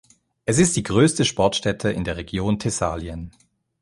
Es ist die größte Sportstätte in der Region Thessalien.